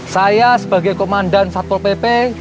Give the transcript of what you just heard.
saya sebagai komandan satpol pp